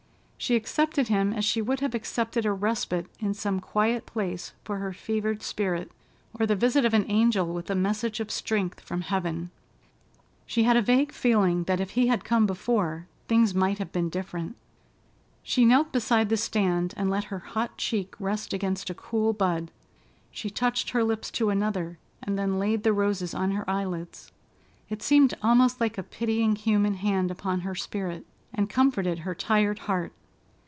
She accepted him as she would have accepted a respite in some quiet place for her fevered spirit, or the visit of an angel with a message of strength from heaven. She had a vague feeling that if he had come before things might have been different. She knelt beside the stand and let her hot cheek rest against a cool bud; she touched her lips to another, and then laid the roses on her eyelids. It seemed almost like a pitying human hand upon her spirit, and comforted her tired heart.